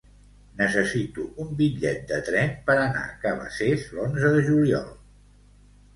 Necessito un bitllet de tren per anar a Cabacés l'onze de juliol.